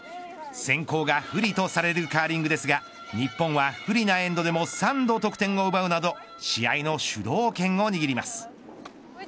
先行が不利とされるカーリングですが日本は不利なエンドでも３度得点を奪うなど試合の主導権を握ります。